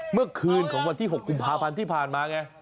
เมื่อคืนของวันที่๖กุมภาพันธ์ที่ผ่านมาไง